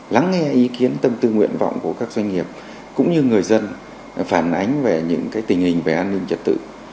lắng nghe ý kiến tâm tư nguyện vọng của các doanh nghiệp cũng như người dân phản ánh về những tình hình về an ninh trật tự